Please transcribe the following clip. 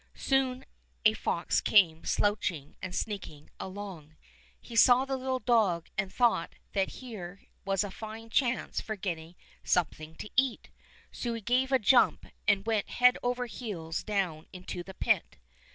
Soon a fox came slouching and sneaking along. He saw the little dog and thought that here was a fine chance for getting some thing to eat. So he gave a jump and went head over heels down into the pit.